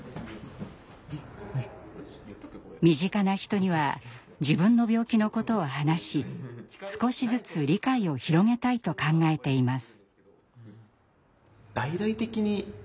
身近な人には自分の病気のことを話し少しずつ理解を広げたいと考えています。